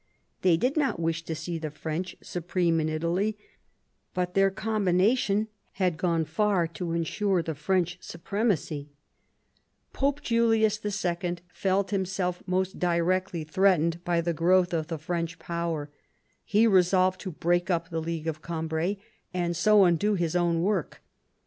They did not wish to see the French supreme in Italy, but their combination had gone far to ensure the French supremacy. I THE STATE OF EUROPE 15 Pope Julius II. felt himself most directly threatened by the growth of the French power. He resolved to break up the League of Gambrai, and so undo his own work.